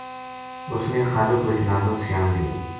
اُس نے خالق کو جنازو سیان لیو